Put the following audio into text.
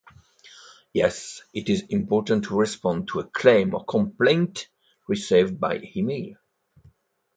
Yes, it is important to respond to a claim or complaint received by email.